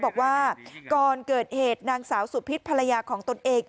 บอกว่าก่อนเกิดเหตุนางสาวสุพิษภรรยาของตนเอง